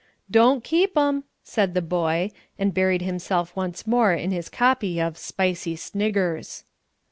"Don't keep 'em," said the boy, and buried himself once more in his copy of "Spicy Sniggers."